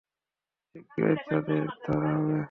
শিগগিরই তাদের ধরা হবে।